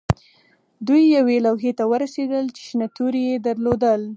دوی یوې لوحې ته ورسیدل چې شنه توري یې درلودل